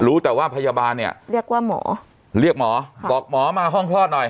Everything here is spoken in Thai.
รู้แต่ว่าพยาบาลเนี่ยเรียกว่าหมอเรียกหมอบอกหมอมาห้องคลอดหน่อย